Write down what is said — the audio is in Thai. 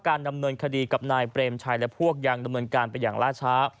ดำเนินคดีกับนายเปรมชัยและพวกยังดำเนินการไปอย่างล่าช้า